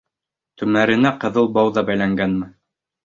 Түмәренә ҡыҙыл бау ҙа бәйләгәнме?